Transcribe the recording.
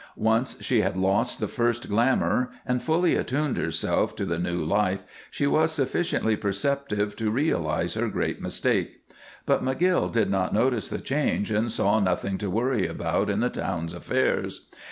Once she had lost the first glamour and fully attuned herself to the new life she was sufficiently perceptive to realize her great mistake. But McGill did not notice the change and saw nothing to worry about in the town's affairs.